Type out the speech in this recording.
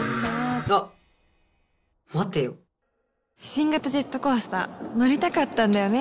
新型ジェットコースター乗りたかったんだよね。